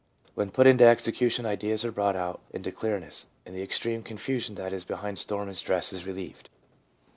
When put into execution, ideas are brought out into clearness, and the extreme confusion that is behind storm and stress is relieved.